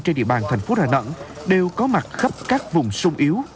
trên địa bàn thành phố hà nẵng đều có mặt khắp các vùng sung yếu